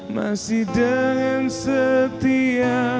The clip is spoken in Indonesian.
masih dengan setia